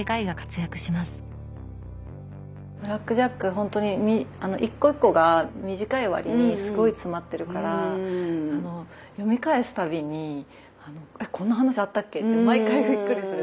ほんとに一個一個が短い割にすごい詰まってるから読み返すたびにこんな話あったっけって毎回びっくりする。